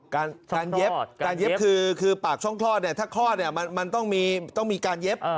การเย็บการเย็บคือปากช่องคลอดเนี่ยถ้าคลอดเนี่ยมันต้องมีการเย็บ